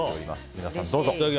皆さんどうぞ。